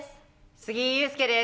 杉井勇介です。